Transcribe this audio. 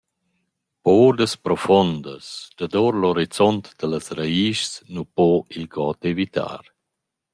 Boudas profuondas dadour l’orizont da las ragischs nu po il god evitar.